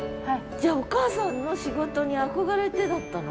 じゃあお母さんの仕事に憧れてだったの？